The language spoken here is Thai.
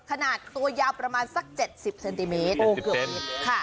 ขนาดตัวยาวประมาณสัก๗๐เซนติเมตรโอ้เกือบนิด